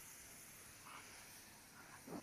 আমি তোমার বাবা না।